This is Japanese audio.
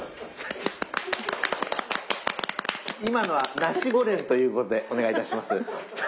今のは「『ナシ』ゴレン」ということでお願い致します。